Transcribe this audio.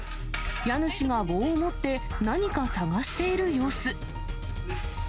家主が棒を持って何か捜している様子。